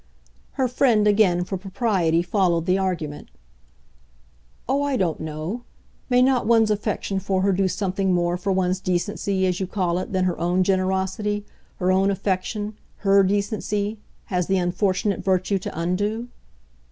Her friend, again, for propriety, followed the argument. "Oh, I don't know. May not one's affection for her do something more for one's decency, as you call it, than her own generosity her own affection, HER 'decency' has the unfortunate virtue to undo?"